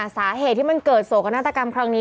สาเหตุที่มันเกิดโศกนาฏกรรมครั้งนี้